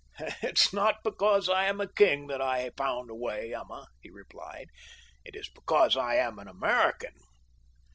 "It is not because I am a king that I found a way, Emma," he replied. "It is because I am an American."